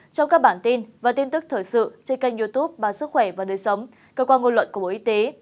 trong các bản tin và tin tức thời sự trên kênh youtube báo sức khỏe và đời sống cơ quan ngôn luận của bộ y tế